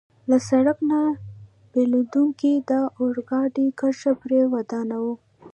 له سړک نه بېلېدونکې د اورګاډي کرښه پرې ودانوه.